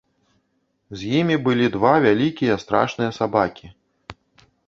З імі былі два вялікія страшныя сабакі.